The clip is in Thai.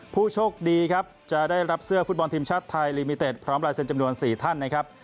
ผู้โชคดีครับจะได้รับเสื้อฟุตบอลทีมชาติไทยลีมิเต็ดพร้อมลายเซ็นจำนวน๔ท่านนะครับ